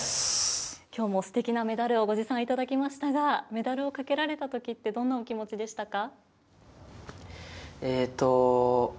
今日もすてきなメダルをご持参いただきましたがメダルをかけられた時ってどんなお気持ちでしたか。